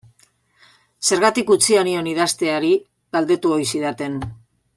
Zergatik utzia nion idazteari galdetu ohi zidaten.